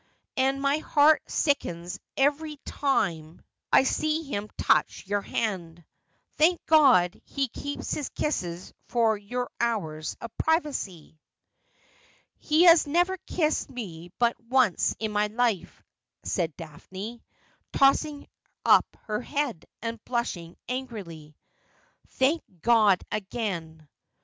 and my heart sickens every time I see him touch your hand. Thank G od, he keeps his kisses for your hours of privacy.' ' He has never kissed me but once in my life,' said Daphne, tossing up her head, and blushing angrily. ' Thank God again.'